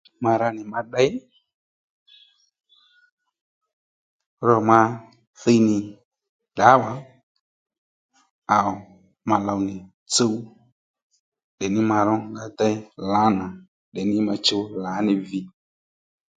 Ma ra nì ma ddey, fúrò ma thiy nì ddǎwà aa ma low nì tsúw tdè ní ma rónga ddéy lǎnà tdè ní ma chǔw lǎ ní vi